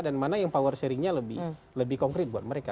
dan mana yang power sharingnya lebih konkret buat mereka